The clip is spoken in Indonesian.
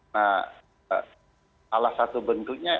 nah salah satu bentuknya